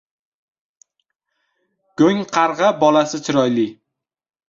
• Go‘ngqarg‘aga bolasi chiroyli.